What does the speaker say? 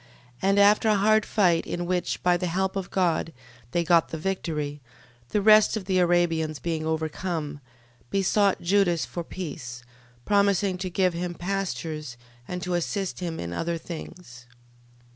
12:11. And after a hard fight, in which, by the help of God, they got the victory, the rest of the Arabians being overcome, besought Judas for peace, promising to give him pastures, and to assist him in other things.